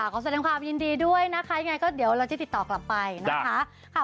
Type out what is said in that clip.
ขอแสดงภาพยินดีด้วยนะคะเดี๋ยวเราจะติดต่อกลับไปนะคะ